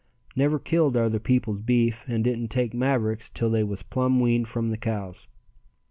Never killed other people's beef and didn't take mavericks till they was plum weaned from the cows.